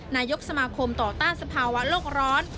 นายกสมาคมต่อต้านสภาวะโลกร้อน